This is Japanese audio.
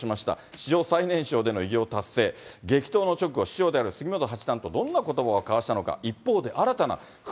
史上最年少での四冠達成、激闘の直後、師匠である杉本八段とどんなことばを交わしたのか。